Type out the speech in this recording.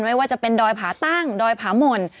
ไม่ว่าจะเป็นดอยผาตั้งดอยผาหม่น